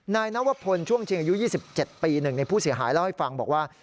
นายนัวพลช่วงอายุ๒๗ปีหนึ่งในผู้เสียหายแล้วให้ฟังบอกว่า